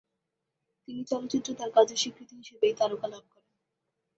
তিনি চলচ্চিত্রে তার কাজের স্বীকৃতি হিসেবে এই তারকা লাভ করেন।